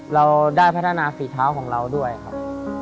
เราได้พัฒนาฝีเท้าของเราด้วยครับ